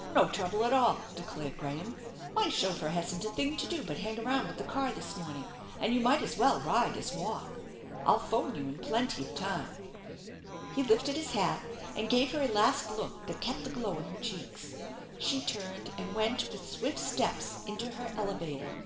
" No trouble at all !" declared Graham. " My chauffeur hasn't a thing to do but hang around with the car this morning and you might as well ride as walk. I'll phone you in plenty of time." He lifted his hat and gave her a last look that kept the glow in her cheeks. She turned and went with swift steps in to her elevator.